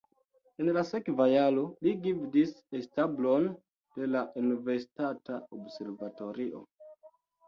En la sekva jaro li gvidis establon de la universitata observatorio.